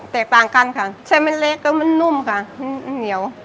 แตกต่างกันค่ะเส้นมันเล็กก็มันนุ่มค่ะมันเหนียว